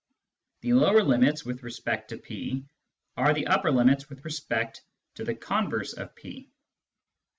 The " lower limits " with respect to P are the upper limits with respect to the converse of P.